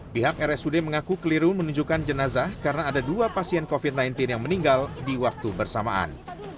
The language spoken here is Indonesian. pihak rsud mengaku keliru menunjukkan jenazah karena ada dua pasien covid sembilan belas yang meninggal di waktu bersamaan